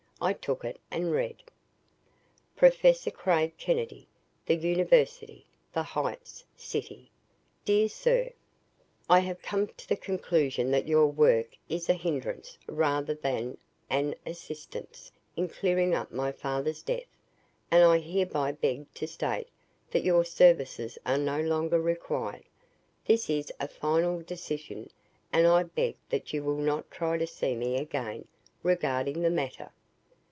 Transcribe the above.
I took it and read: "Professor Craig Kennedy, "The University, The Heights, City. "Dear Sir, "I have come to the conclusion that your work is a hindrance rather than an assistance in clearing up my father's death and I hereby beg to state that your services are no longer required. This is a final decision and I beg that you will not try to see me again regarding the matter.